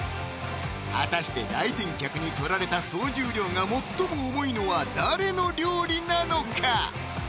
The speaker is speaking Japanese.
果たして来店客に取られた総重量が最も重いのは誰の料理なのか？